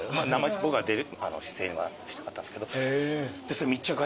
僕は出演はしなかったんですけど。